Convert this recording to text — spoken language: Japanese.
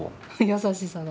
優しさが。